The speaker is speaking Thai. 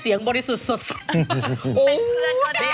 เสียงบริสุทธิ์สุดสุด